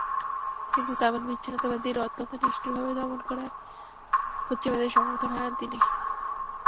কিন্তু তামিল বিচ্ছিন্নতাবাদীদের অত্যন্ত নিষ্ঠুরভাবে দমন করায় পশ্চিমাদের সমর্থন হারান তিনি।